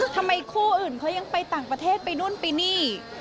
ทำไมคู่อื่นเขายังไปต่างประเทศไปนู่นไปนี่